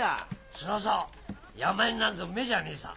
そうそう山犬なんぞ目じゃねえさ。